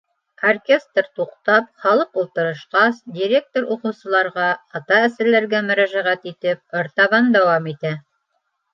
Оркестр туҡтап, халыҡ ултырышҡас, директор уҡыусыларға, ата-әсәләргә мөрәжәғәт итеп, артабан дауам итә.